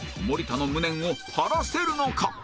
森田の無念を晴らせるのか？